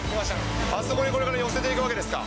あそこにこれから寄せていくわけですか？